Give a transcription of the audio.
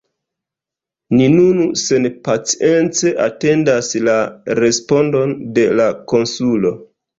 Ni nun senpacience atendas la respondon de la konsulo.